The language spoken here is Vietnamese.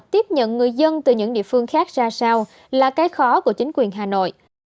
tiếp nhận người dân từ những địa phương khác ra sao là cái khó của chính quyền hà nội